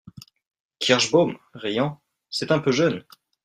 Kirschbaum, riant. — C’est un peu jeune.